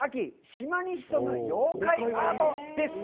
島に潜む妖怪アート」です。